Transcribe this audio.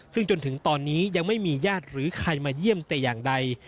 ซึ่งจนถึงตอนนี้ยังไม่มีญาติหรือใครมาเยี่ยมแต่อย่างใด